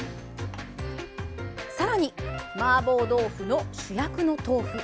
さらに、マーボー豆腐の主役の豆腐。